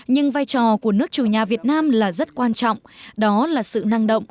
nhưng vai trò của nước chủ nhà việt nam là rất quan trọng đó là sự năng động